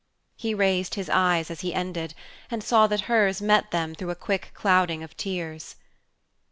He raised his eyes as he ended, and saw that hers met them through a quick clouding of tears.